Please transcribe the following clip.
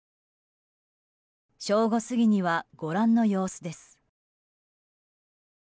正午過ぎにはご覧の様子です。